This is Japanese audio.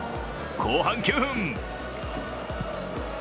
後半９分。